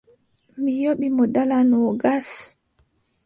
Mi yoɓi mo dala noogas.